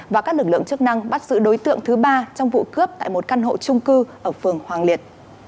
và các lực lượng chức năng bắt giữ đối tượng thứ ba trong vụ cướp tại một căn hộ trung cư ở phường hoàng liệt